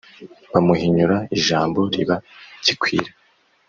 bamuhinyura, ijambo riba gikwira